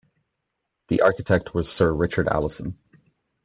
The architect was Sir Richard Allison.